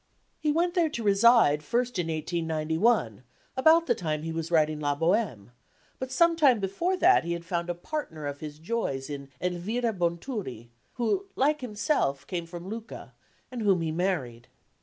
He went there to reside first in 1891, about the time he was writing La Bohème; but some time before that he had found a partner of his joys in Elvira Bonturi, who, like himself, came from Lucca, and whom he married.